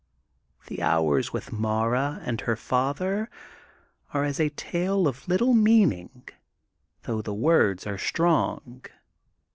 The hours with Mara and her father are as a tale of little meaning, though the words are strong.